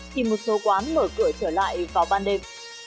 thì một số quán mở cửa trở lại vào ban đêm